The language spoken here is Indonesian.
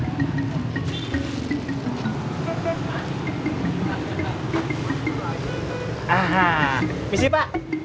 aha misi pak